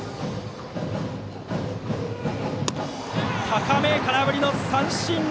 高めで空振り三振！